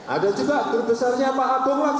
ada juga grup besarnya pak agung langsopno ada